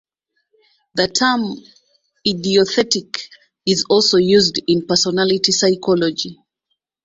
The term "idiothetic" is also used in personality psychology.